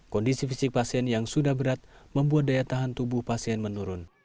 kondisi fisik pasien yang sudah berat membuat daya tahan tubuh pasien menurun